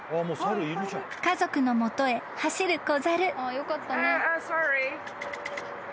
［家族の元へ走る子猿］